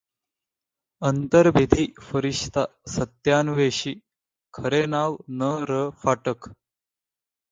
अंतर्भेदी, फरिश्ता, सत्यान्वेषी खरे नाव न.र. फाटक